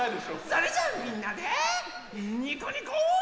それじゃあみんなでにこにこ。